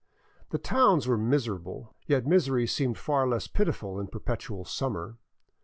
The towns were mis erable, yet misery seems far less pitiful in perpetual summer.